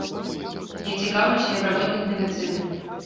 Я цікаўлюся як работнік медыцыны.